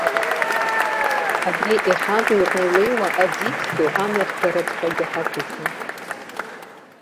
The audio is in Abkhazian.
Абра иҳавыҩрны илеиуа аӡиас ду амҩахгараҵәҟьагьы ҳақәиҭым!